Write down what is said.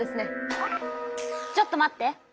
ちょっと待って。